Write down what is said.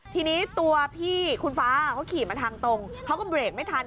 ทีนี้ตัวพี่คุณฟ้าเขาขี่มาทางตรงเขาก็เบรกไม่ทัน